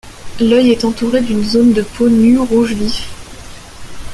L’œil est entouré d’une zone de peau nue rouge vif.